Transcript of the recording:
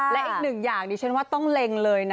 แล้วอีกหนึ่งอย่างว่าต้องเล็งเลยนะ